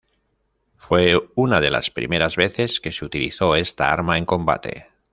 Fue una de las primeras veces que se utilizó esta arma en combate.